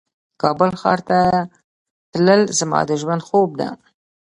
کابل ښار ته تلل زما د ژوند خوب ده